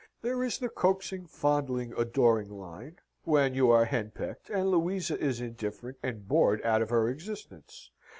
There is the coaxing, fondling, adoring line, when you are henpecked, and Louisa is indifferent, and bored out of her existence.